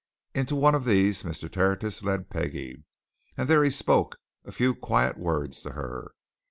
Into one of these Mr. Tertius led Peggie, and there he spoke a few quiet words to her.